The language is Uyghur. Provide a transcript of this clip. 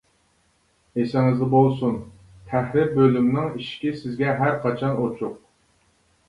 ئېسىڭىزدە بولسۇن، تەھرىر بۆلۈمنىڭ ئىشىكى سىزگە ھەر قاچان ئۇچۇق!